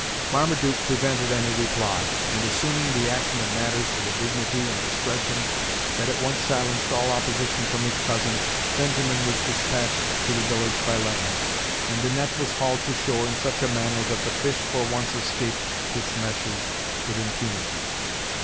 Marmaduke prevented any reply, and assuming the action of matters with a dignity and discretion that at once silenced all opposition from his cousin, Benjamin was dispatched to the village by land, and the net was hauled to shore in such a manner that the fish for once escaped its meshes with impunity.